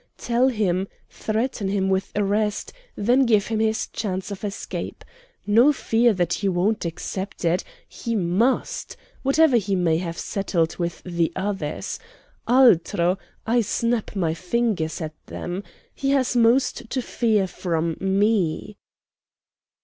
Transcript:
Tell him, threaten him with arrest, then give him his chance of escape. No fear that he won't accept it; he must, whatever he may have settled with the others. Altro! I snap my fingers at them. He has most to fear from me."